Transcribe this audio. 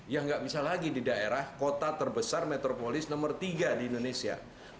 ya nggak bisa lagi di daerah kota terbesar metropolis nomor tiga di indonesia